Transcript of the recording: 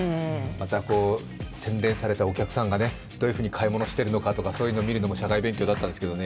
洗練されたお客さんがどういうふうに買い物をするかとか、そういうのを見るのも社会勉強だったんですけどね。